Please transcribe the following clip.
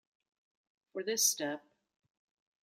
For this step.